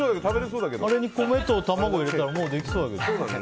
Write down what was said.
あれに米と卵入れたらもうできそうだけど。